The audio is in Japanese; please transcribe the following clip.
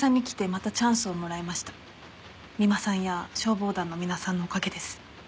三馬さんや消防団の皆さんのおかげです。